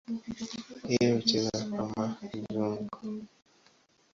Yeye hucheza kama kiungo.